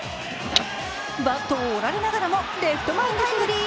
バットを折られながらもレフト前タイムリー。